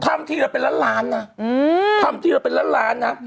ทำที่เราเป็นล้านล้านน่ะอืมทำที่เราเป็นล้านล้านน่ะ